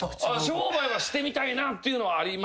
商売はしてみたいなっていうのはありますけど。